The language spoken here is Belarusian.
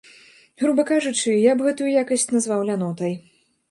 Груба кажучы, я б гэтую якасць назваў лянотай.